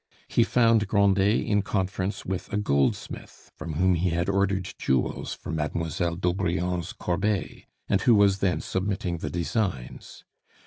He found Grandet in conference with a goldsmith, from whom he had ordered jewels for Mademoiselle d'Aubrion's corbeille, and who was then submitting the designs.